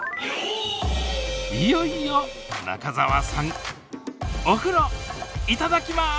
いよいよ中澤さんお風呂いただきます！